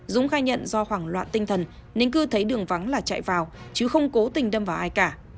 dũng khai nhận do hoảng loạn tinh thần nên cư thấy đường vắng là chạy vào chứ không cố tình đâm vào ai cả